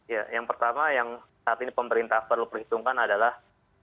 ya yang pertama yang saat ini pemerintah perlu perhitungkan adalah